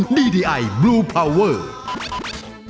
รายการต่อไปนี้เป็นรายการทั่วไปสามารถรับชมได้ทุกวัย